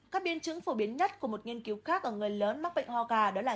các biên chứng phổ biến nhất của một nghiên cứu khác ở người lớn mắc bệnh ho gà đó là